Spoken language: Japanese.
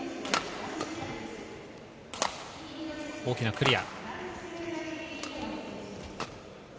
大きなクリア。